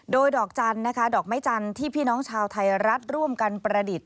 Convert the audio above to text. โดยดอกไม้จันทร์ที่พี่น้องชาวไทยรัฐร่วมกันประดิษฐ์